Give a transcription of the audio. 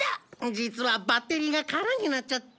実はバッテリーが空になっちゃって。